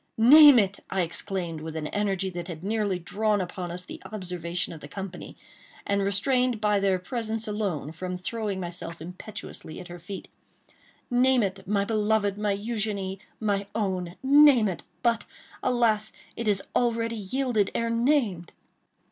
"Name it!" I exclaimed with an energy that had nearly drawn upon us the observation of the company, and restrained by their presence alone from throwing myself impetuously at her feet. "Name it, my beloved, my Eugénie, my own!—name it!—but, alas! it is already yielded ere named."